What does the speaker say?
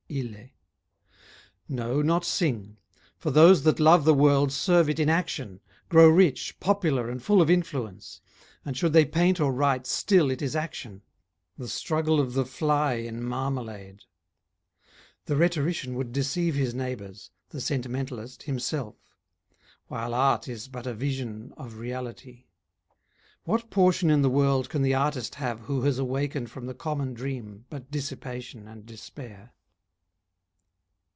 ILLE No, not sing, For those that love the world serve it in action, Grow rich, popular and full of influence, And should they paint or write still it is action: The struggle of the fly in marmalade. The rhetorician would deceive his neighbours, The sentimentalist himself; while art Is but a vision of reality. What portion in the world can the artist have Who has awakened from the common dream But dissipation and despair?